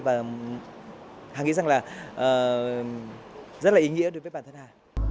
và hà nghĩ rằng là rất là ý nghĩa đối với bản thân hà